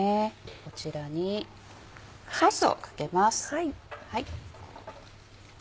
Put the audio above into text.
こちらにソースをかけます。